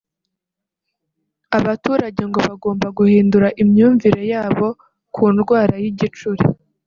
abaturage ngo bagomba guhindura imyumvire yabo ku ndwara y’igicuri